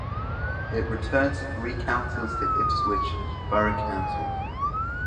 It returns three councillors to Ipswich Borough Council.